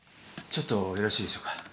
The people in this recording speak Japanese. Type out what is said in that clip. ちょっとよろしいでしょうか？